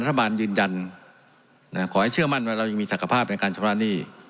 รัฐบาลยืนยันขอให้เชื่อมั่นว่าเรายังมีศักภาพในการชำระหนี้